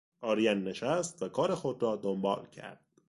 آرین نشست و کار خود را دنبال کرد.